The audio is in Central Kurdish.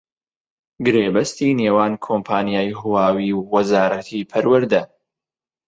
گرێبەستی نێوان کۆمپانیای هواوی و وەزارەتی پەروەردە